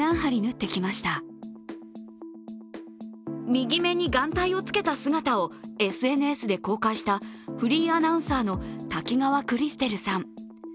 右目に眼帯を着けた姿をＳＮＳで公開したフリーアナウンサーの滝川クリステルさん。